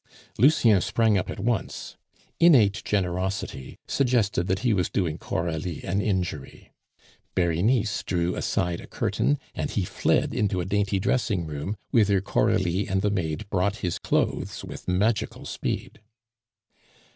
Lucien sprang up at once. Innate generosity suggested that he was doing Coralie an injury. Berenice drew aside a curtain, and he fled into a dainty dressing room, whither Coralie and the maid brought his clothes with magical speed.